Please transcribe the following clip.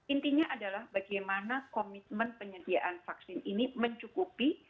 intinya adalah bagaimana komitmen penyediaan vaksin ini mencukupi